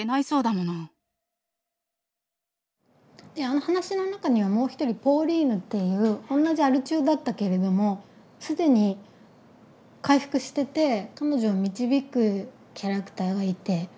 あの話の中にはもう一人ポーリーヌっていう同じアル中だったけれども既に回復してて彼女を導くキャラクターがいて。